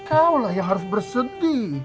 ya ikaulah yang harus bersedih